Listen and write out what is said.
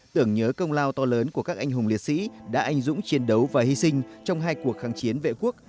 tưởng nhớ công lao to lớn của các anh hùng liệt sĩ đã anh dũng chiến đấu và hy sinh trong hai cuộc kháng chiến vệ quốc